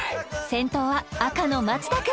先頭は赤の松田君